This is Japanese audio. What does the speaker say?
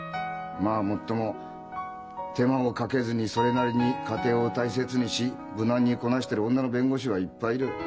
まあもっとも手間もかけずにそれなりに家庭を大切にし無難にこなしてる女の弁護士はいっぱいいる。